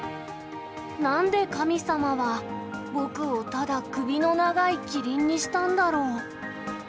なんで神様は、僕をただ首の長いキリンにしたんだろう。